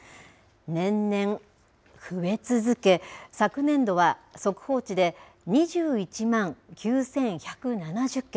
年々、増え続け昨年度は速報値で２１万９１７０件。